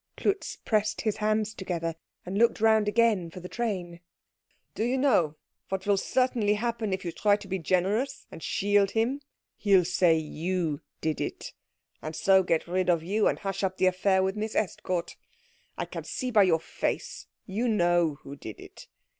Klutz pressed his hands together, and looked round again for the train. "Do you know what will certainly happen if you try to be generous and shield him? He'll say you did it, and so get rid of you and hush up the affair with Miss Estcourt. I can see by your face you know who did it.